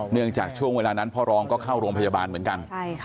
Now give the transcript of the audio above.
จากช่วงเวลานั้นพ่อรองก็เข้าโรงพยาบาลเหมือนกัน